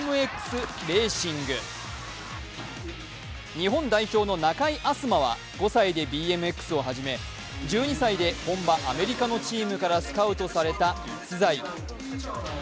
日本代表の中井飛馬は５歳でＢＭＸを始め、１２歳で本場アメリカのチームからスカウトされた逸材。